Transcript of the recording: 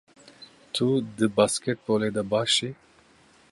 Tu di basketbolê de baş î?